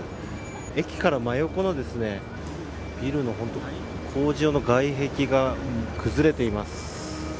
駅から真横のビルの工事用の外壁が崩れています。